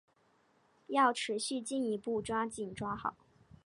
要持续进一步抓紧抓好